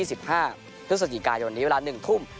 ซึ่งสัจจิกาย่อนนี้เวลา๑ทุ่ม